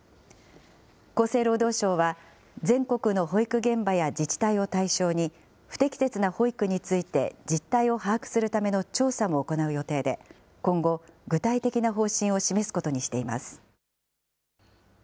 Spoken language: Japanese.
厚生労働省は全国の保育現場や自治体を対象に、不適切な保育について実態を把握するための調査も行う予定で、今後、具体的な方針を示すことにしています。